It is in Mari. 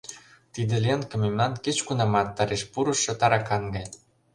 — Тиде Ленка мемнан кеч кунамат тареш пурышо таракан гай.